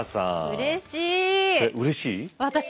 うれしい？